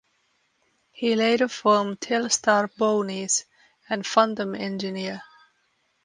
He later formed Telstar Ponies and Phantom Engineer.